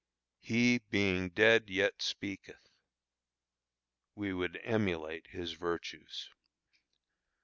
"He being dead, yet speaketh." We would emulate his virtues.